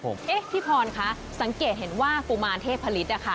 พี่พรค่ะสังเกตเห็นว่ากุมารเทพฤษค่ะ